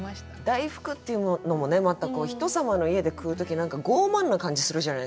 「大福」っていうのもねまた人様の家で食う時何か傲慢な感じするじゃないですか。